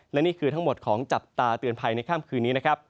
และนี่คือทั้งหมดของจับตาเตือนภัยในค่ำคืนนี้นะครับ